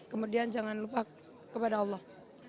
kemudian jangan lupa kepada allah